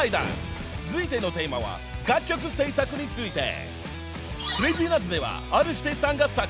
［続いてのテーマは楽曲制作について］